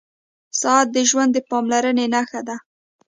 • ساعت د ژوند د پاملرنې نښه ده.